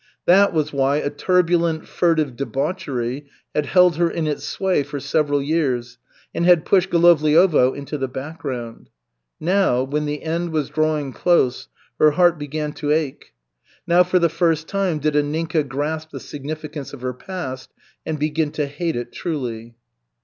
That was why a turbulent, furtive debauchery had held her in its sway for several years, and had pushed Golovliovo into the background. Now, when the end was drawing close, her heart began to ache. Now for the first time did Anninka grasp the significance of her past and begin to hate it truly.